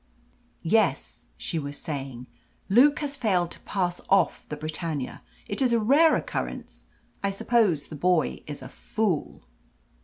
"Yes," she was saying, "Luke has failed to pass off the Britannia. It is a rare occurrence. I suppose the boy is a fool."